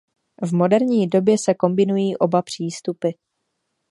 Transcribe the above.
V moderní době se kombinují oba přístupy.